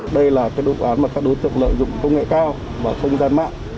đây là cái đối tượng mà các đối tượng lợi dụng công nghệ cao và không gian mạng